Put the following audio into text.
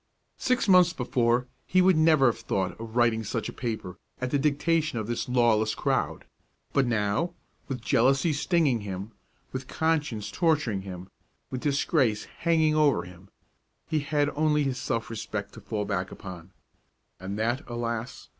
Six months before he would never have thought of writing such a paper at the dictation of this lawless crowd; but now, with jealousy stinging him, with conscience torturing him, with disgrace hanging over him, he had only his self respect to fall back upon, and that, alas!